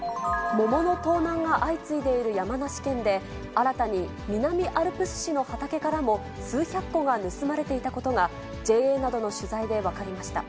桃の盗難が相次いでいる山梨県で、新たに南アルプス市の畑からも、数百個が盗まれていたことがＪＡなどの取材で分かりました。